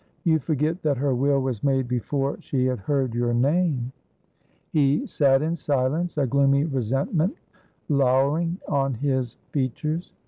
"You forget that her will was made before she had heard your name." He sat in silence, a gloomy resentment lowering on his features.